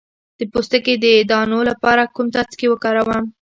د پوستکي د دانو لپاره کوم څاڅکي وکاروم؟